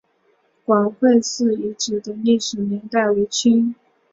广惠寺遗址的历史年代为清。